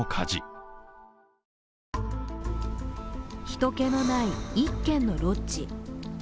人けのない１軒のロッジ。